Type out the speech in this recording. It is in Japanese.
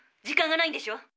時間がないんでしょ。